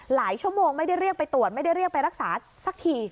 หลายชั่วโมงไม่ได้เรียกไปตรวจไม่ได้เรียกไปรักษาสักที